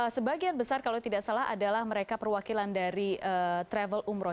sebagian besar kalau tidak salah adalah mereka perwakilan dari travel umroh